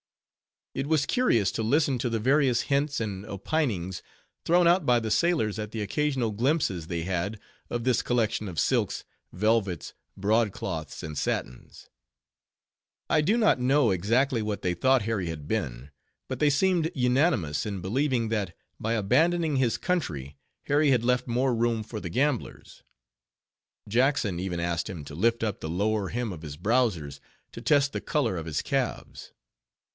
It was curious to listen to the various hints and opinings thrown out by the sailors at the occasional glimpses they had of this collection of silks, velvets, broadcloths, and satins. I do not know exactly what they thought Harry had been; but they seemed unanimous in believing that, by abandoning his country, Harry had left more room for the gamblers. Jackson even asked him to lift up the lower hem of his browsers, to test the color of his calves.